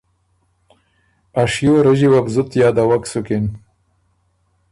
ا شیو رݫی وه بو زُت یادوک سُکِن